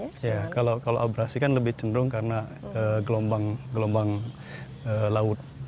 iya kalau abrasi kan lebih cenderung karena gelombang laut